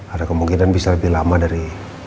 ada kemungkinan bisa lebih lama dari